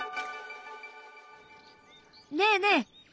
ねえねえ！